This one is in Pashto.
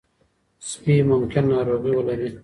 سپي ممکن ناروغي ولري.